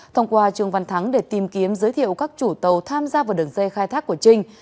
thông qua trương văn thắng để tìm kiếm giới thiệu các chủ tàu tham gia vào đường dây khai thác của trinh